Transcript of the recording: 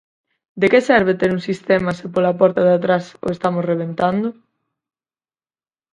¿De que serve ter un sistema se pola porta de atrás o estamos rebentando?